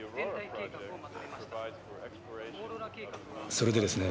それでですね。